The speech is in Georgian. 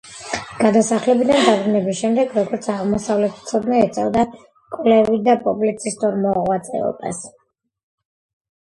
გადასახლებიდან დაბრუნების შემდეგ, როგორც აღმოსავლეთმცოდნე, ეწეოდა კვლევით და პუბლიცისტურ მოღვაწეობას.